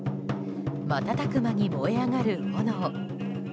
瞬く間に燃え上がる炎。